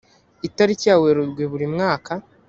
itariki ya werurwe buri mwaka